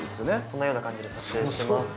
このような感じで撮影してます。